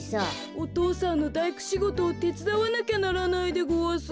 お父さんのだいくしごとをてつだわなきゃならないでごわす。